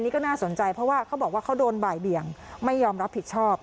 นี่ก็น่าสนใจเพราะว่าเขาบอกว่าเขาโดนบ่ายเบี่ยงไม่ยอมรับผิดชอบ